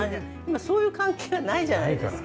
今そういう関係はないじゃないですか。